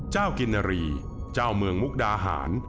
เจ้ากินรีเจ้าเมืองมุกดาหาร